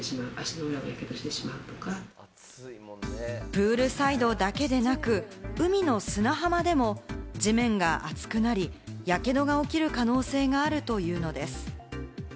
プールサイドだけでなく、海の砂浜でも地面が熱くなり、やけどが起きる可能性があるというのです。